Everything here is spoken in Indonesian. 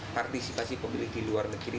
partisipasi pemilih di luar negeri